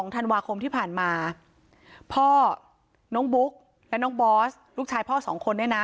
ธันวาคมที่ผ่านมาพ่อน้องบุ๊กและน้องบอสลูกชายพ่อ๒คนเนี่ยนะ